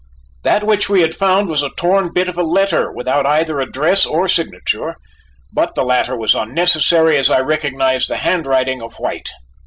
That which he had found was a torn bit of a letter without either address or signature, but the latter was unnecessary as I recognized the handwriting of White.